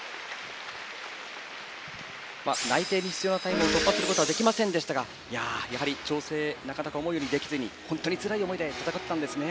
内定に必要なタイムを突破することはできませんでしたが調整、なかなか思うようにできずつらい思いで戦っていたんですね。